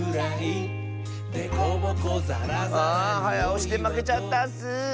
おしでまけちゃったッス！